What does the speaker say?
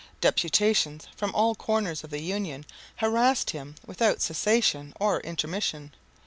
Deputations from all corners of the Union harassed him without cessation or intermission.